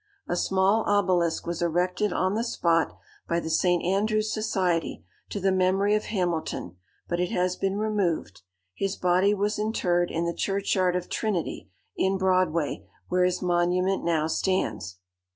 A small obelisk was erected on the spot, by the St. Andrew's Society, to the memory of Hamilton, but it has been removed. His body was interred in the churchyard of Trinity, in Broadway, where his monument now stands.